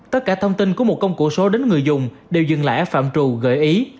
tất cả thông tin của một công cụ số đến người dùng đều dừng lại phạm trù gợi ý